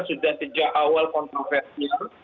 sudah sejak awal kontroversial